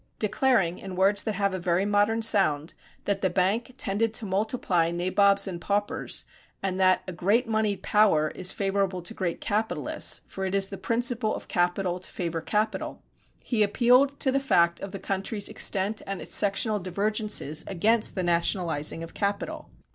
Declaring, in words that have a very modern sound, that the bank tended to multiply nabobs and paupers, and that "a great moneyed power is favorable to great capitalists, for it is the principle of capital to favor capital," he appealed to the fact of the country's extent and its sectional divergences against the nationalizing of capital.